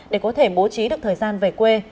để có thể bố trí được thời gian về quê